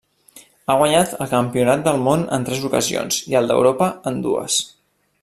Ha guanyat el campionat del món en tres ocasions i el d'Europa en dues.